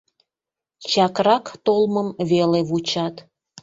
Чакрак толмым веле вучат....